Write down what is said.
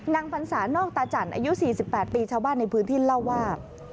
พรรษานอกตาจันทร์อายุ๔๘ปีชาวบ้านในพื้นที่เล่าว่า